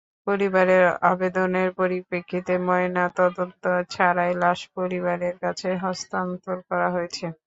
পরিবারের আবেদনের পরিপ্রেক্ষিতে ময়নাতদন্ত ছাড়াই লাশ পরিবারের কাছে হস্তান্তর করা হয়েছে।